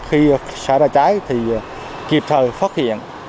khi xả ra cháy thì kịp thời phát hiện